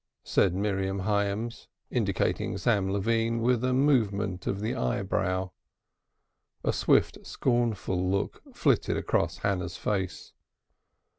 said Miriam Hyams, indicating Sam Levine with a movement of the eyebrow. A swift, scornful look flitted across Hannah's face.